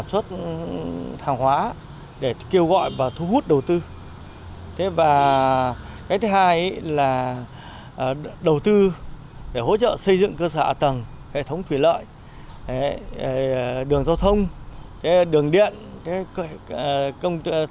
xác định doanh nghiệp vừa là hạt nhân vừa là động lực để hướng nông nghiệp đến sản xuất